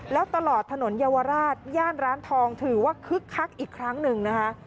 แล้วตลอดถนนเยาวราชย่านร้านทองถือว่าคึกคักอีกครั้งหนึ่งนะคะ